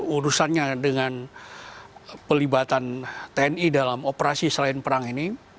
urusannya dengan pelibatan tni dalam operasi selain perang ini